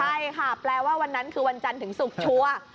ใช่ค่ะแปลว่าวันนั้นคือวันจันทร์ถึงศุกร์ชัวร์